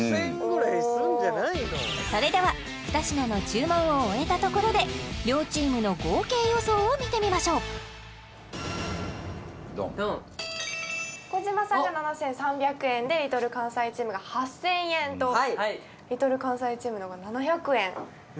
うんそれでは２品の注文を終えたところで両チームの合計予想を見てみましょうドンドン児嶋さんが７３００円でＬｉｌかんさいチームが８０００円とＬｉｌかんさいチームの方が７００円